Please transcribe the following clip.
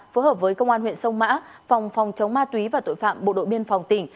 phối hợp với công an huyện sông mã phòng phòng chống ma túy và tội phạm bộ đội biên phòng tỉnh